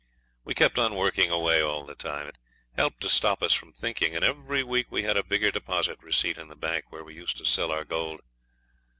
We kept on working away all the time. It helped to stop us from thinking, and every week we had a bigger deposit receipt in the bank where we used to sell our gold.